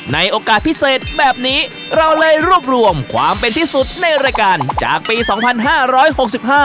ในโอกาสพิเศษแบบนี้เราเลยรวบรวมความเป็นที่สุดในรายการจากปี๒๕๖๕